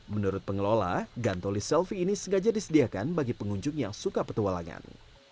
menurut pengelola gantoli selfie ini sengaja disediakan bagi pengunjung yang suka petualangan